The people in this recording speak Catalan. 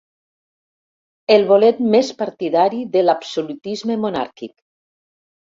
El bolet més partidari de l'absolutisme monàrquic.